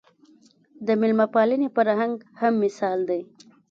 د مېلمه پالنې فرهنګ هم مثال دی